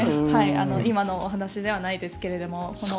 今のお話ではないですけれども。